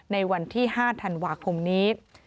ในวันที่๕ธันวาคมนี้